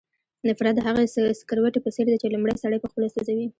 نفرت د هغې سکروټې په څېر دی چې لومړی سړی پخپله سوځوي.